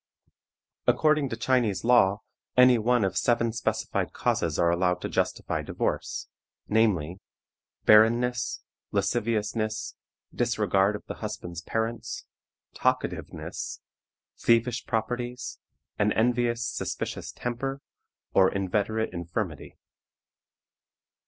According to Chinese law, any one of seven specified causes are allowed to justify divorce, namely, barrenness, lasciviousness, disregard of the husband's parents, talkativeness (!), thievish propensities, an envious, suspicious temper, or inveterate infirmity.